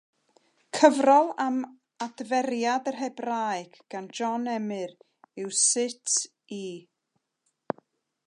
Cyfrol am adferiad yr Hebraeg gan John Emyr yw Sut I.